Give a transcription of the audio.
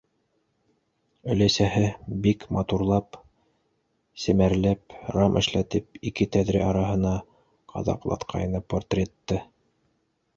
Өләсәһе бик матурлап, семәрләп рам эшләтеп, ике тәҙрә араһына ҡаҙаҡлатҡайны портретты.